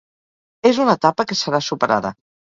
És una etapa que serà superada.